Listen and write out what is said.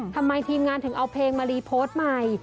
ทีมงานถึงเอาเพลงมารีโพสต์ใหม่